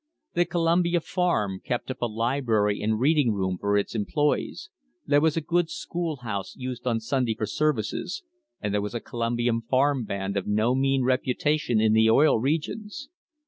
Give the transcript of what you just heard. The Columbia farm kept up a library and reading room for its employees ; there was a good schoolhouse used on Sun day for services, and there was a Columbia farm band of no mean reputation in the Oil Regions.